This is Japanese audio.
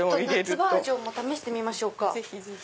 夏バージョンも試してみましょうか。